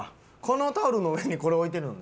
このタオルの上にこれ置いてるの。